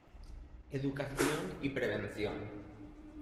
Educación y prevención.